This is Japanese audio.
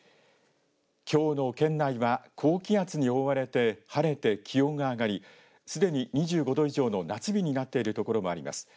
きょうの県内は高気圧に覆われて晴れて気温が上がりすでに２５度以上の夏日になっている所もあります。